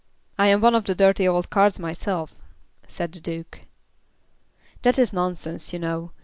"I am one of the dirty old cards myself," said the Duke. "That's nonsense, you know.